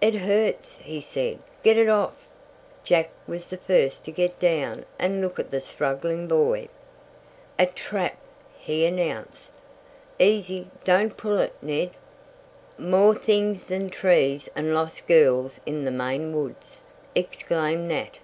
"It hurts!" he said. "Get it off!" Jack was the first to get down and look at the struggling boy. "A trap!" he announced. "Easy! Don't pull it, Ned." "More things than trees and lost girls in the Maine woods," exclaimed Nat.